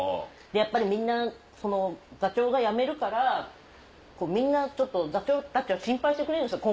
でやっぱりみんなその座長が辞めるからみんなちょっと座長たちは心配してくれるんですよ。